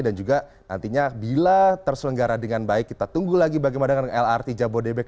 dan juga nantinya bila terselenggara dengan baik kita tunggu lagi bagaimana dengan lrt jabodebek